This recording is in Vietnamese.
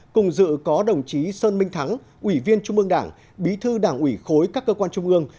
cùng dự có đồng chí sơn minh thắng ủy viên trung ương đảng bí thư đảng ủy khối các cơ quan trung ương